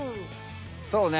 そうね